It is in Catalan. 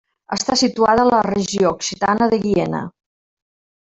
Està situada a la regió occitana de Guiena.